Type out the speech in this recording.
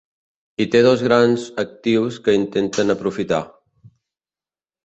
I té dos grans actius que intenten aprofitar.